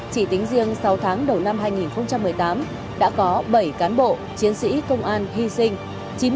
chỉ tính riêng sáu tháng đầu năm hai nghìn một mươi tám đã có bảy cán bộ chiến sĩ công an hy sinh